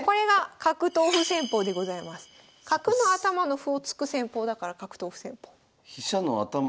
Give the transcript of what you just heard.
角の頭の歩を突く戦法だから角頭歩戦法。